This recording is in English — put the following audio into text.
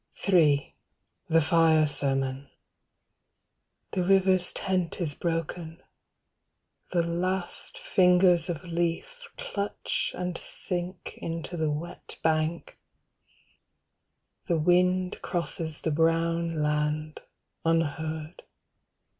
III. THE FIRE SERMON The river's tent is broken: the last fingers of leaf Clutch and sink into the wet bank. The wind Crosses the brown land, unheard.